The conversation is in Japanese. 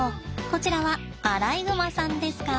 こちらはアライグマさんですか？